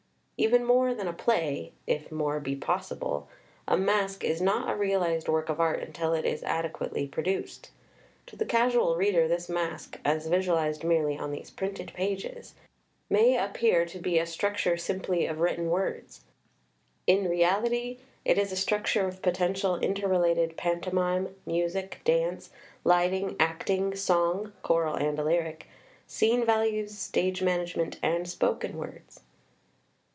Even more than a play [if more be possible], a Masque is not a realized work of art until it is adequately pro duced. To the casual reader, this Masque, as visualized merely on these printed pages, may appear to be a struc ture simply of written words: in reality it is a structure of potential interrelated pantomime, music, dance, light ing, acting, song [choral and lyric], scene values, stage management and spoken words.